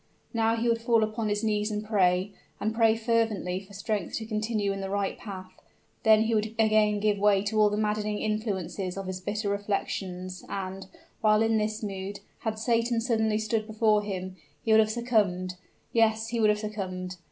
Now he would fall upon his knees and pray and pray fervently for strength to continue in the right path: then he would again give way to all the maddening influences of his bitter reflections; and, while in this mood, had Satan suddenly stood before him, he would have succumbed yes, he would have succumbed.